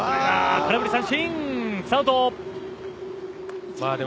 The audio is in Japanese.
空振り三振です。